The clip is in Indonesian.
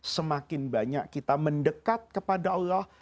semakin banyak kita mendekat kepada allah